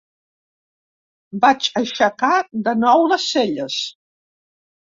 Vaig aixecar de nou les celles.